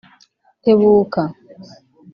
Tebuka